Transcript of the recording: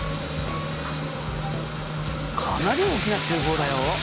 かなり大きな厨房だよ。